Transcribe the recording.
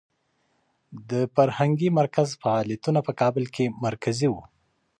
د فرهنګي مرکز فعالیتونه په کابل کې مرکزي و.